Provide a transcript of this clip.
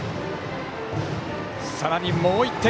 さらに、もう１点。